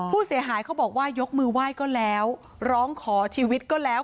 ผู้เสียหายเขาบอกว่ายกมือไหว้ก็แล้วร้องขอชีวิตก็แล้ว